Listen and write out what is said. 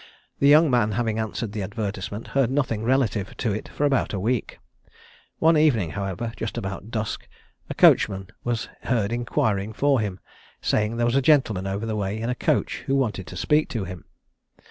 The young man, having answered the advertisement, heard nothing relative to it for about a week. One evening, however, just about dusk, a coachman was heard inquiring for him, saying there was a gentleman over the way in a coach who wanted to speak to him.